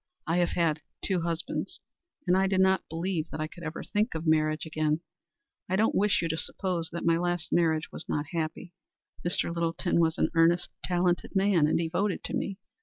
I have had two husbands, and I did not believe that I could ever think of marriage again. I don't wish you to suppose that my last marriage was not happy. Mr. Littleton was an earnest, talented man, and devoted to me.